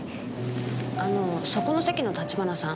あのそこの席の立花さん